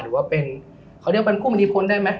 หรือว่าเป็นเขาเรียกว่าบรรคุมรีพลได้มั้ย